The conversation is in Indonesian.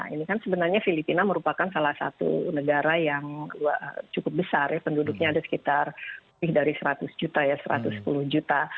ini kan sebenarnya filipina merupakan salah satu negara yang cukup besar ya penduduknya ada sekitar lebih dari seratus juta ya satu ratus sepuluh juta